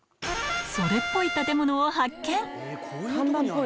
それっぽい建物を発見！